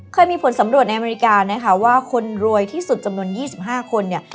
เคยมีผลสำรวจในอเมริกานะคะว่าคนรวยที่สุดจำนวน๒๕คนเนี่ย